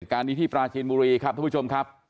การนี้ที่ปราจีนบุรีครับทุกผู้ชมครับ